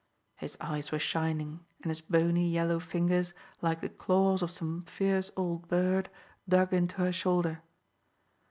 His eyes were shining and his bony yellow fingers, like the claws of some fierce old bird, dug into her shoulder.